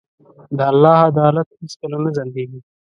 د الله عدالت هیڅکله نه ځنډېږي.